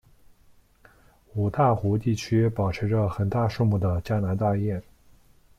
五大湖地区保持着很大数目的加拿大雁。